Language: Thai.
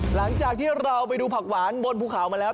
หลังจากที่เราไปดูผักหวานบนภูเขามาแล้ว